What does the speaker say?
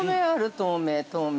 透明、透明。